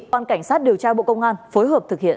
quan cảnh sát điều tra bộ công an phối hợp thực hiện